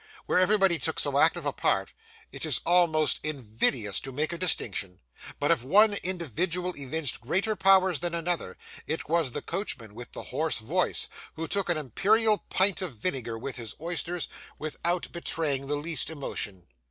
Where everybody took so active a part, it is almost invidious to make a distinction; but if one individual evinced greater powers than another, it was the coachman with the hoarse voice, who took an imperial pint of vinegar with his oysters, without betraying the least emotion.